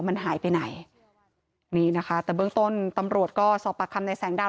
มันหายไปไหนนี่นะคะแต่เบื้องต้นตำรวจก็สอบปากคำในแสงดาว